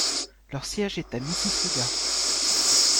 Leur siège est à Mississauga.